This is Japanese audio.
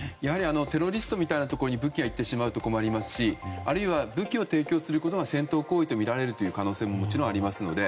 テロリストみたいなところに武器が行くと困りますしあるいは、武器を提供することは戦闘行為とみられるという可能性ももちろんありますので。